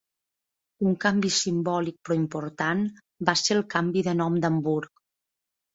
Un canvi simbòlic però important va ser el canvi de nom d'Hamburg.